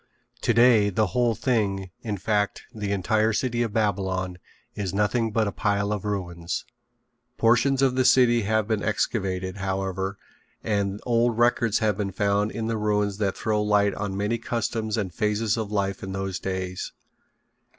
Today the whole thing, in fact, the entire city of Babylon, is nothing but a pile of ruins. Portions of the city have been excavated, however, and old records have been found in the ruins that throw light on many customs and phases of life in those days.